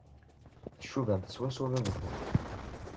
Tcubamt swaswa baba-twent.